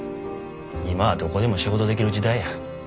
今はどこでも仕事できる時代や。